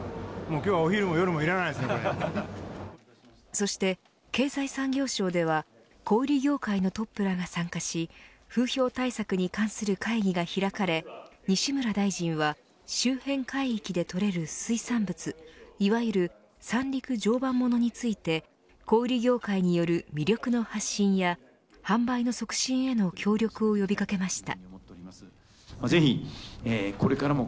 そして、経済産業省では小売り業界のトップらが参加し風評対策に関する会議が開かれ西村大臣は周辺海域で取れる水産物いわゆる三陸常磐ものについて小売り業界による魅力の発信や販売の促進への協力を呼び掛けました。